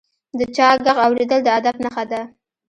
د چا ږغ اورېدل د ادب نښه ده.